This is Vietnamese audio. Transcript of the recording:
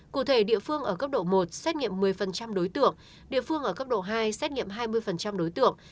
cụ thể địa phương ở cấp độ một xét nghiệm một mươi đối tượng địa phương ở cấp độ hai xét nghiệm hai mươi đối tượng